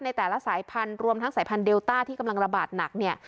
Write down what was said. ในแต่ละสายพันธุ์รวมทั้งสายพันธุเดลต้าที่กำลังระบาดหนักเนี่ย